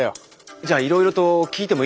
じゃあいろいろと聞いてもいいですか？